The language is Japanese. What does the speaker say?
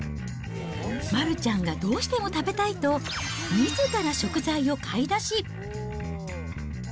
丸ちゃんがどうしても食べたいと、みずから食材を買い出し。